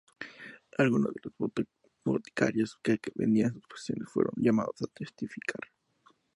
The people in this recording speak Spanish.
Algunos de los boticarios que vendían sus pociones fueron llamados a testificar.